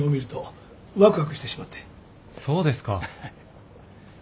そうですか。